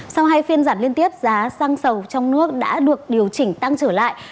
sau hai phiên giản liên tiếp giá xăng sầu trong nước đã được điều chỉnh tăng trở lại